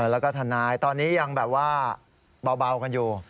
แล้วก็ทนายตอนนี้ยังแบบว่าเบากันอยู่